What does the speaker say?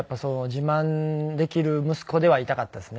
自慢できる息子ではいたかったですね。